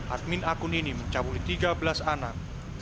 admin akun ini mencabuli tiga belas anak